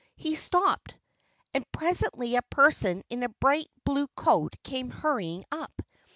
He stopped. And presently a person in a bright blue coat came hurrying up.